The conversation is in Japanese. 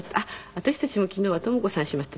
「私たちも昨日は朋子さんしました」